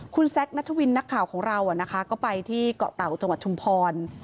คุณแซคนัทวินนักข่าวของเราก็ไปที่เกาะเต่าจังหวัดชุมพร